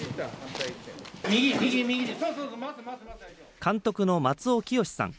監督の松尾清史さん。